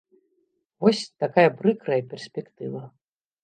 Вось такая прыкрая перспектыва.